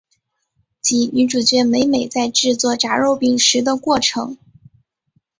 及女主角美美在制作炸肉饼时的过程。